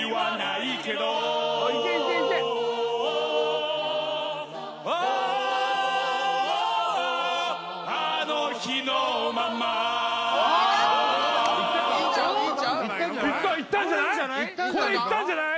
いったいったんじゃない？